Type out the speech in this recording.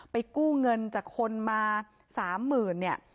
กู้เงินจากคนมา๓๐๐๐เนี่ย